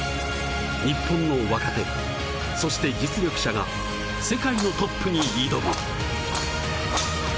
日本の若手、そして実力者が世界のトップに挑む。